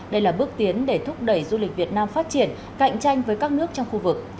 đây là bước tiến để thúc đẩy du lịch việt nam phát triển cạnh tranh với các nước trong khu vực